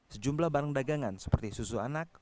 sejumlah barang dagangan seperti susu anak